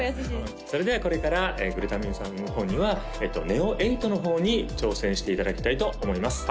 それではこれからぐるたみんさんの方にはＮＥＯ８の方に挑戦していただきたいと思います